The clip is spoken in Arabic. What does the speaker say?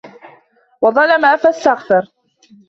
وَظَلَمَ فَاسْتَغْفَرَ